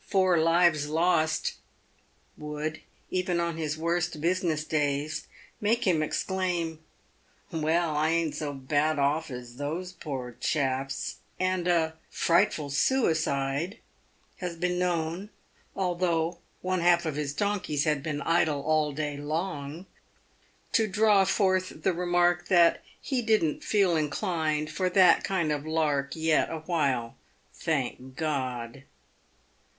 — Eoue Lives Lost," would, even on his worst business days, make him ex claim, " "Well, I ain't so bad off as those poor chaps ;" and a " Fright ful Suicide" has been known — although one half of his donkeys had been idle all day long — to draw forth the remark that he " didn't feel inclined for that kind of lark yet awhile, thank God."